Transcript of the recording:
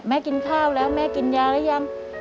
แม่กินข้าวแล้วแม่กินยาแล้วยัง